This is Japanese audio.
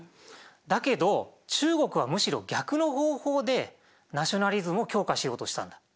だけど中国はむしろ逆の方法でナショナリズムを強化しようとしたんだ。